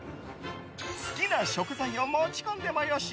好きな食材を持ち込んでも良し。